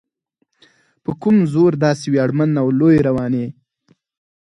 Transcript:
په کوم زور داسې ویاړمن او لوی روان یې؟